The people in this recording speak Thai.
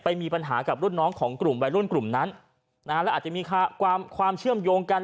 มีปัญหากับรุ่นน้องของกลุ่มวัยรุ่นกลุ่มนั้นนะฮะแล้วอาจจะมีความเชื่อมโยงกัน